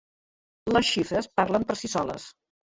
Les xifres parlen per si soles.